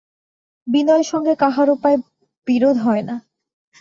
বিনয়ের সঙ্গে কাহারো প্রায় বিরোধ হয় না।